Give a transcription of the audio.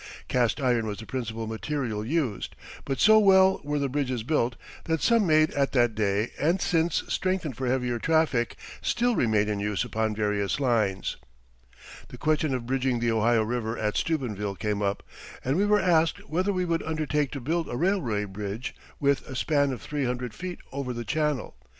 Cast iron was the principal material used, but so well were the bridges built that some made at that day and since strengthened for heavier traffic, still remain in use upon various lines. The question of bridging the Ohio River at Steubenville came up, and we were asked whether we would undertake to build a railway bridge with a span of three hundred feet over the channel.